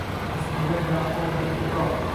O‘smirlar bilan ahvol murakkabroq.